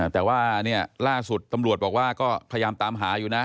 แต่ว่าล่าสุดตำรวจบอกว่าก็พยายามตามหาอยู่นะ